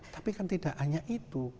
tapi kan tidak hanya itu